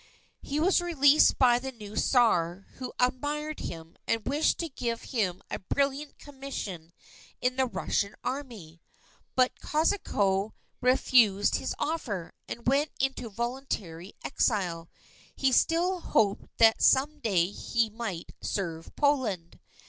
He was released by the new Czar, who admired him, and wished to give him a brilliant commission in the Russian Army. But Kosciuszko refused his offer, and went into voluntary exile. He still hoped that some day again he might serve Poland.